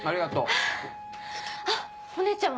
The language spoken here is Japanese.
ハァあっお姉ちゃんは？